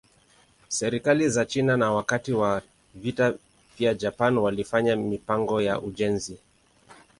Serikali za China na wakati wa vita pia Japan walifanya mipango ya ujenzi.